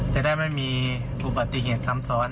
จะได้ไม่มีอุบัติเหตุซ้ำซ้อน